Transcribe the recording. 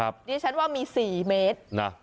นี่ฉันว่ามี๔เมตร